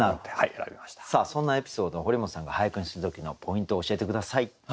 さあそんなエピソードを堀本さんが俳句にした時のポイントを教えて下さい。